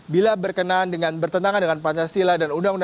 bila berkenaan dengan bertentangan dengan pancasila dan undang undang dasar empat